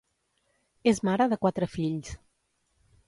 És mare de quatre fills.